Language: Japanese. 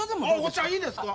お茶いいですか？